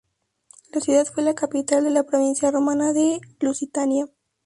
La ciudad fue la capital de la provincia romana de Lusitania.